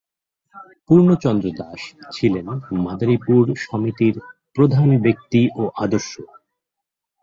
পূর্ণচন্দ্র দাস ছিলেন মাদারিপুর সমিতির প্রধান ব্যক্তি ও আদর্শ।